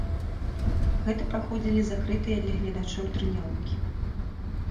Гэта праходзілі закрытыя для гледачоў трэніроўкі.